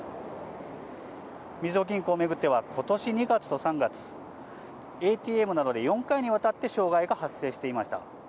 みずほ銀行を巡っては、ことし２月と３月、ＡＴＭなどで４回にわたって障害が発生していました。